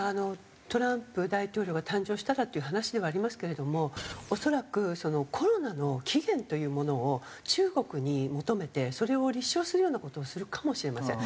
トランプ大統領が誕生したらっていう話ではありますけれども恐らくコロナの起源というものを中国に求めてそれを立証するような事をするかもしれません。